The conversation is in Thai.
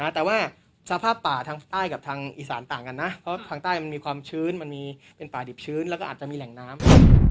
แต่ว่าสภาพป่าทางใต้กับทางอีสานต่างกันนะเพราะทางใต้มันมีความชื้นมันมีเป็นป่าดิบชื้นแล้วก็อาจจะมีแหล่งน้ำ